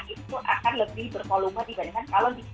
itu akan lebih berkolumen dibandingkan kalau kita kombinasi